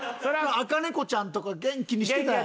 茜子ちゃんとか元気にしてたやん。